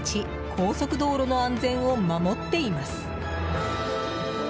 高速道路の安全を守っています。